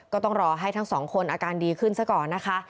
ก็ต้องรอให้ทั้งสองคนอาการดีขึ้นซะก่อนนะคะ